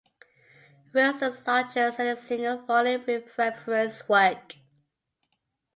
Wilson's largest-selling single volume reference work.